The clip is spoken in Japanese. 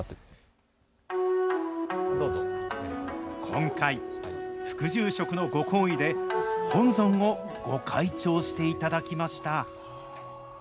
今回、副住職のご厚意で、本尊を御開帳していただきました。